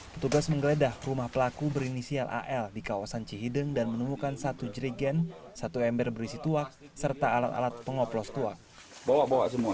petugas menggeledah rumah pelaku berinisial al di kawasan cihideng dan menemukan satu jerigen satu ember berisi tuak serta alat alat pengoplos tua